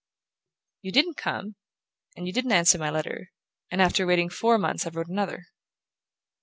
"You didn't come, and you didn't answer my letter; and after waiting four months I wrote another."